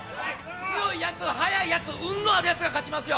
強いやつ、速いやつ、運のあるやつが勝ちますよ。